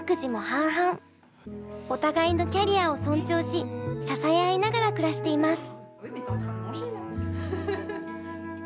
お互いのキャリアを尊重し支え合いながら暮らしています。